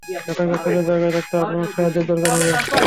এটাকে তুলে জায়গায় রাখতে আপনার সাহায্যের দরকার হবে।